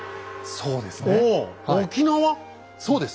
そうです。